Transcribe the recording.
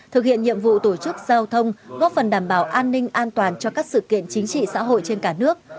thực hiện nhiệm vụ tổ chức giao thông góp phần đảm bảo an ninh an toàn cho các sự kiện chính trị xã hội trên cả nước